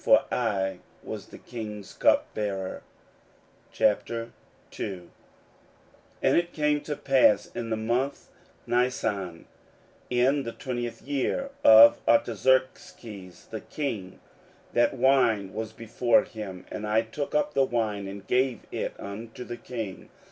For I was the king's cupbearer. 16:002:001 And it came to pass in the month Nisan, in the twentieth year of Artaxerxes the king, that wine was before him: and I took up the wine, and gave it unto the king.